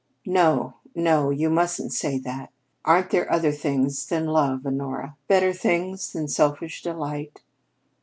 "No! No; you mustn't say that. Aren't there other things than love, Honora, better things than selfish delight?"